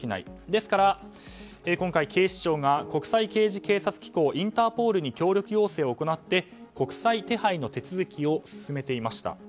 ですから今回、警視庁が国際刑事警察機構・インターポールに協力要請を行って国際手配の手続きを進めていました。